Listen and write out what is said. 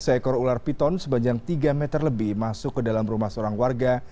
seekor ular piton sepanjang tiga meter lebih masuk ke dalam rumah seorang warga